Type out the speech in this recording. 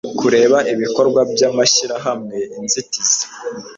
kureba ibikorwa by amashyirahamwe inzitizi